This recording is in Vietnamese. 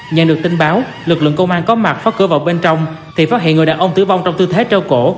nhận được tin báo lực lượng công an có mặt phá cửa vào bên trong thì phát hiện người đàn ông tử vong trong tư thế trao cổ